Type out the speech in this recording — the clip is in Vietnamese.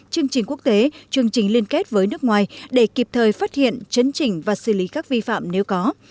chương trình quốc tế chương trình liên kết với nước ngoài để kịp thời phát hiện chấn chỉnh và xử lý các vi phạm nếu có